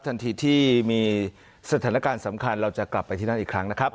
ทันทีที่มีสถานการณ์สำคัญเราจะกลับไปที่นั่นอีกครั้งนะครับ